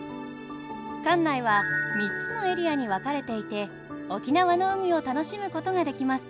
館内は３つのエリアに分かれていて沖縄の海を楽しむことができます。